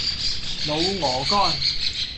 滷鵝肝